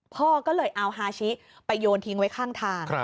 พ่อก็เลยเอาฮาชิไปโยนทิ้งไว้ข้างทาง